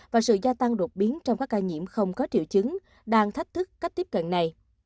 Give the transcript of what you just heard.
và sự gia tăng đột biến trong các ca nhiễm không có triệu chứng đang thách thức cách tiếp cận này